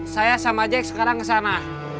saya sama jack sekarang ke sana